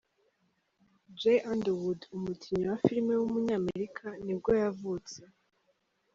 Jay Underwood, umukinnyi wa film w’umunyamerika nibwo yavutse.